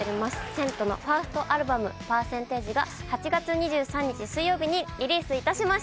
ＣＥＮＴのファーストアルバム『ＰＥＲＣＥＮＴＡＧＥ』が８月２３日水曜日にリリースいたしました。